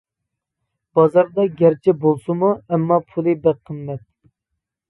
بازاردا گەرچە بولسىمۇ ئەمما پۇلى بەك قىممەت.